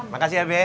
makasih ya be